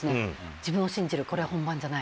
自分を信じろこれは本番じゃない。